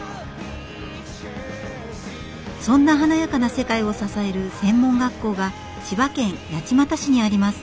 そんな華やかな世界を支える専門学校が千葉県八街市にあります。